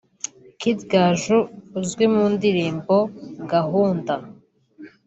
Kid Gaju uzwi mu ndirimbo ‘Gahunda’